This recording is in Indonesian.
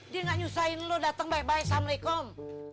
dia gak nyusahin lo datang baik baik salamualaikum